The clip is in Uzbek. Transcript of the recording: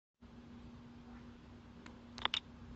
Ikkinchi marta o‘qiganingizdan so‘ng